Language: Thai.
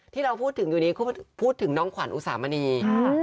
ที่เราพูดถึงอยู่นี้พูดถึงน้องขวัญอุสามณี